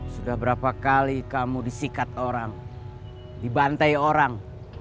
sudah berapa kali kamu disikat orang dibantai orang